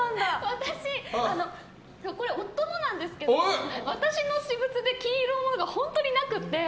私、これ、夫のなんですけど私の私物で金色のが本当になくって。